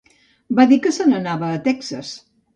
Va dir que se n'anava a Texas.